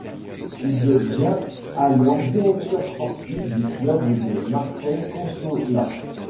Il devient alors directeur sportif du club de Marseille Consolat.